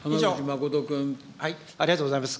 ありがとうございます。